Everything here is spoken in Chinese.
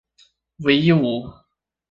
讳一武。